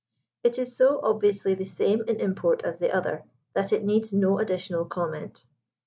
It is so obviously the same in import as the other, that it needs no additional com ment.